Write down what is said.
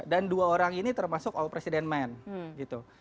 dan dua orang ini termasuk all president man gitu